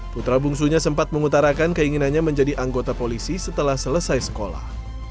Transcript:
putra bungsunya sempat mengutarakan keinginannya menjadi anggota polisi setelah selesai sekolah